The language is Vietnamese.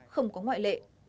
không có ngoại lệ